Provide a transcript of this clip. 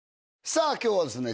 さあ今日はですね